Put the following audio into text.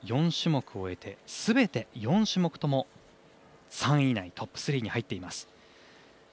４種目終えてすべて４種目とも３位以内トップ３に入っています。